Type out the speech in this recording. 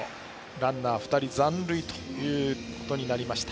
ランナー２人残塁ということになりました。